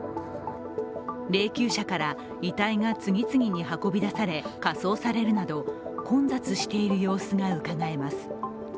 霊きゅう車から遺体が次々に運び出され火葬されるなど混雑している様子がうかがえます。